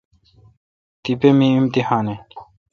تی پہ می امتحان این۔